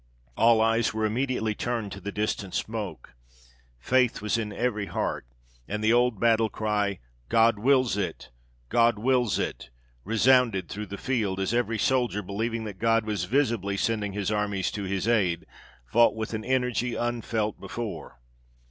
All eyes were immediately turned to the distant smoke; faith was in every heart; and the old battle cry, God wills it! God wills it! resounded through the field, as every soldier, believing that God was visibly sending his armies to his aid, fought with an energy unfelt before.